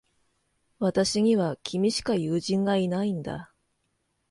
私には、君しか友人がいないんだ。